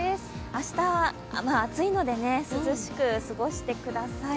明日、暑いので涼しく過ごしてください。